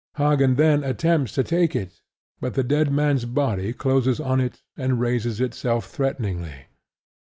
Hagen then attempts to take it; but the dead man's hand closes on it and raises itself threateningly.